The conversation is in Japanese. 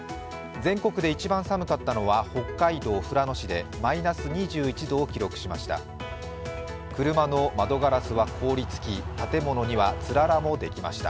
全国で一番寒かったのは北海道富良野市でマイナス２１度を記録しました。